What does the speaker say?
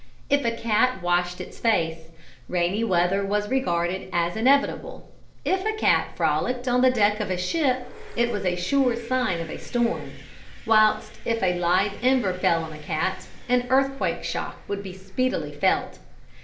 If a cat washed its face, rainy weather was regarded as inevitable; if a cat frolicked on the deck of a ship, it was a sure sign of a storm; whilst if a live ember fell on a cat, an earthquake shock would speedily be felt.